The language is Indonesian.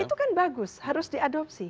itu kan bagus harus diadopsi